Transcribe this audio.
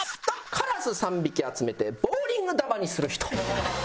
カラス３匹集めてボウリング球にする人。